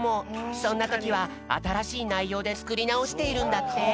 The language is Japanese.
そんなときはあたらしいないようでつくりなおしているんだって。